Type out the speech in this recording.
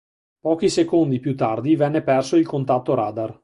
Pochi secondi più tardi venne perso il contatto radar.